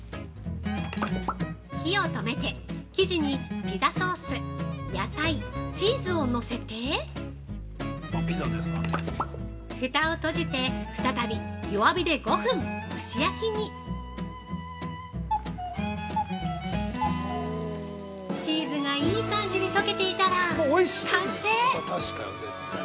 ◆火を止めて生地にピザソース、野菜、チーズをのせてふたを閉じて、再び弱火で５分、蒸し焼きにチーズがいい感じに溶けていたら、完成！